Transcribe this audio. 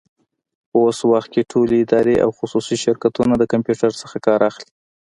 په اوس وخت کي ټولي ادارې او خصوصي شرکتونه د کمپيوټر څخه کار اخلي.